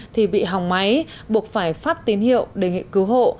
thì bị hỏng máy buộc phải phát tín hiệu đề nghị cứu hộ